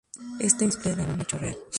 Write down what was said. Está inspirada en un hecho real.